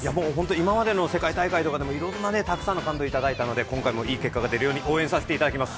今までの世界大会とかでもたくさんの元気をいただいたので今回もいい結果が出るように応援させていただきます。